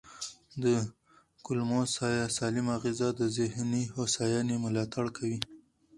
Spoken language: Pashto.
د کولمو سالمه غذا د ذهني هوساینې ملاتړ کوي.